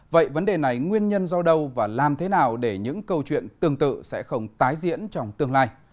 vậy vấn đề này nguyên nhân do đâu và làm thế nào để những câu chuyện tương tự sẽ không tái diễn trong tương lai